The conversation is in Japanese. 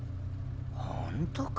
本当かな。